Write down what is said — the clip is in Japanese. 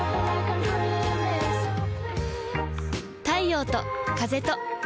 太陽と風と